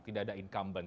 tidak ada incumbent